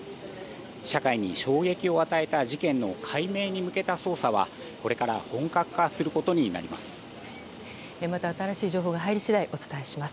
社会に衝撃を与えた事件の解明に向けた捜査はこれから本格化することになります。